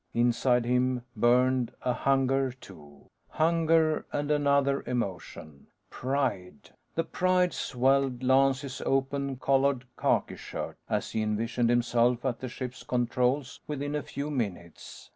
Inside him burned a hunger, too. Hunger, and another emotion pride. The pride swelled Lance's open collared khaki shirt, as he envisioned himself at the ship's controls within a few minutes.